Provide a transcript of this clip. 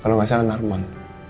kalau nggak salah narman